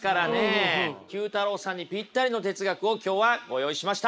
９太郎さんにぴったりの哲学を今日はご用意しました。